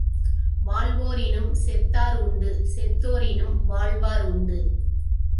வாழ்வோரினும் செத்தார் உண்டு செத்தோரினும் வாழ்வோர் உண்டு.